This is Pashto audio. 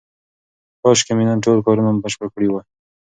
کاشکې مې نن ټول کارونه بشپړ کړي وای.